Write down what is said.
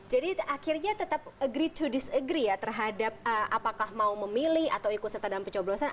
jadi akhirnya tetap agree to disagree ya terhadap apakah mau memilih atau ikut setelah dalam pecah berosan